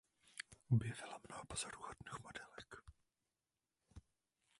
Objevila mnoho pozoruhodných modelek.